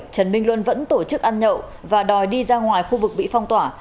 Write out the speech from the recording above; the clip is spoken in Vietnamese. trần minh luân vẫn tổ chức ăn nhậu và đòi đi ra ngoài khu vực bị phong tỏa